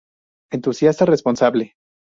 Entusiasta, responsable.